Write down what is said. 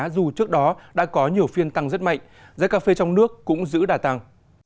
dù trước đó đã có nhiều phiên tăng rất mạnh giá cà phê trong nước cũng giữ đà tăng